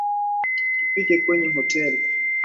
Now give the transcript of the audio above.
Tufike kwenye hoteli